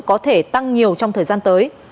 có thể tăng nhiều trong thời gian tới